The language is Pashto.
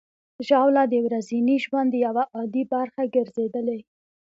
ژاوله د ورځني ژوند یوه عادي برخه ګرځېدلې.